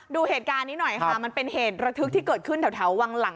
ดูเหตุการณ์นี้หน่อยค่ะมันเป็นเหตุระทึกที่เกิดขึ้นแถววังหลัง